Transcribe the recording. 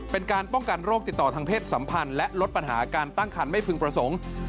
เป็นการป้องกันโรคติดต่อทางเพศสัมพันธ์และลดปัญหาการตั้งคันไม่พึงประสงค์